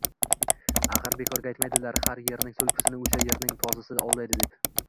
Axir, bekorga aytmaydilar, har yerning tulkisini o‘sha yerning tozisi ovlaydi, deb